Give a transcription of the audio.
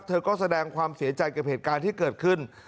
เธอก็แสดงความเสียใจกับเหตุการณ์ที่เกิดขึ้น